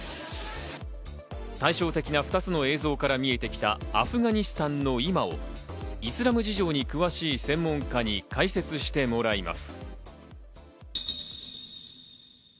対照的な２つの映像から見えてきたアフガニスタンの今をイスラム事情に詳しい専門家に解説してもらいます。